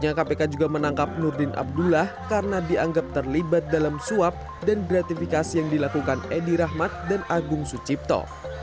hanya kpk juga menangkap nurdin abdullah karena dianggap terlibat dalam suap dan gratifikasi yang dilakukan edi rahmat dan agung sucipto